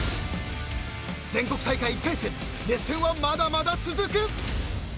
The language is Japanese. ［全国大会１回戦熱戦はまだまだ続く］